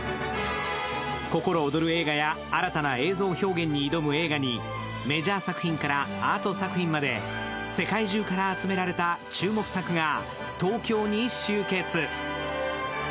心躍る映画や新たな映像表現に挑む映画にメジャー作品からアート作品まで世界中から集められた注目作が東京に集結。